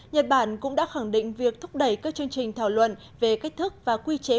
nhật bản cũng đã khẳng định việc thúc đẩy các chương trình thảo luận về cách thức và quy chế